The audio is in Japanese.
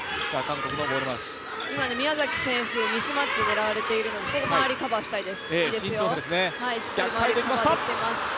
今、宮崎選手ミスマッチ狙われているのでカバーしたいです。